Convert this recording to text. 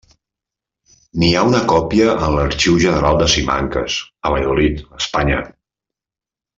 N'hi ha una còpia en l'Arxiu General de Simancas, a Valladolid, Espanya.